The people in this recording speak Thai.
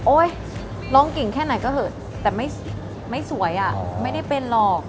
ร้องเก่งแค่ไหนก็เหอะแต่ไม่สวยอ่ะไม่ได้เป็นหรอก